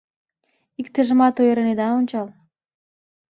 Иктыжымат ойырен ида ончал.